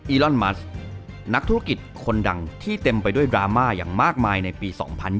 อลอนมัสนักธุรกิจคนดังที่เต็มไปด้วยดราม่าอย่างมากมายในปี๒๐๒๐